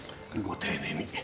ご丁寧に。